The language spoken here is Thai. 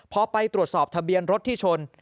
พอไปตรวจสอบทะเบียนรถที่ชน